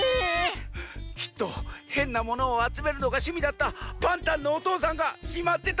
きっとへんなものをあつめるのがしゅみだったパンタンのおとうさんがしまってたものざんす！